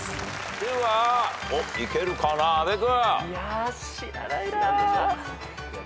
ではいけるかな阿部君。